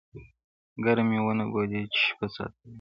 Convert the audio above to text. ګرم مي و نه بولی چي شپه ستایمه ,